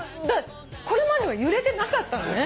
これまでは揺れてなかったのね。